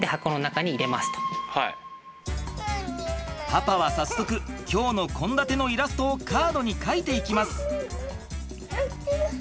パパは早速今日の献立のイラストをカードに描いていきます。